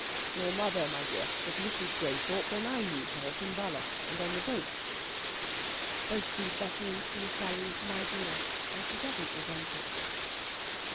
"Your mother, my dear, was Mrs. Graythorpe when I knew her at Umballa and on the boat." Both these veterans call Sally "my dear," and she doesn't resent it.